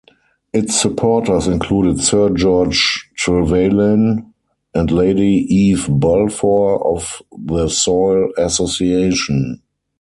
Its supporters included Sir George Trevelyan and Lady Eve Balfour of the Soil Association.